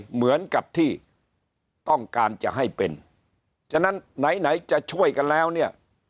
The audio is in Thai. เหมือนกับที่ต้องการจะให้เป็นฉะนั้นไหนไหนจะช่วยกันแล้วเนี่ย